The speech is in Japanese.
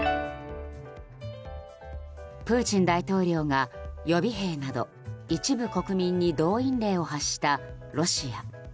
プーチン大統領が予備兵など一部国民に動員令を発したロシア。